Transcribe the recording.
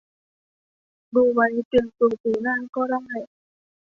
ดูไว้เตรียมตัวปีหน้าก็ได้